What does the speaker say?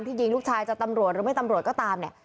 ที่ยิงลูกชายจะตำรวจหรือไม่ตำรวจก็ตาม